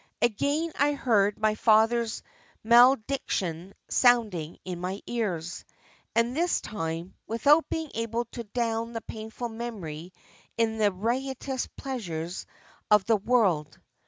Again I heard my father's malediction sounding in my ears, and this time without being able to drown the painful memory in the riotous pleasures of the world.